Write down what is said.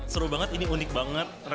seru banget ini unik banget